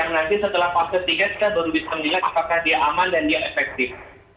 nanti setelah fase tiga kita baru bisa melihat apakah dia aman dan dia efektif